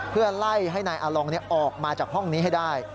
เพื่อไล่ให้นายอาลองออกมาจากห้องนี้ให้ได้